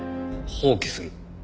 放棄する？